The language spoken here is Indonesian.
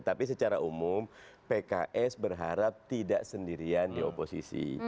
tapi secara umum pks berharap tidak sendirian di oposisi